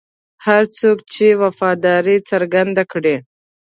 هر څوک چې وفاداري څرګنده کړي.